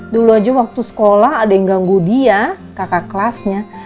dulu aja waktu sekolah ada yang ganggu dia kakak kelasnya